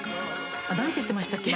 何て言ってましたっけ？